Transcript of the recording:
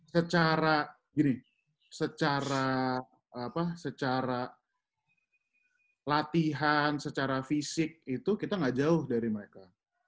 secara gini secara latihan secara fisik itu kita nggak jauh dari mereka